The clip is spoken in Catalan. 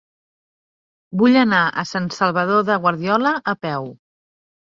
Vull anar a Sant Salvador de Guardiola a peu.